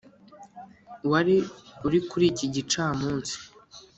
wari uri kuri iki gicamunsi?